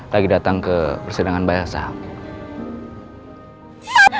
lagi datang ke persidangan bayang saham